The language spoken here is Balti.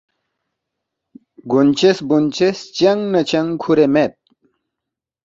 گونچس بونچس چنگ نہ چنگ کُھورے مید